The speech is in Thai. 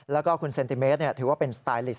แล้วก็คุณเซนติเมตรถือว่าเป็นสไตลิสต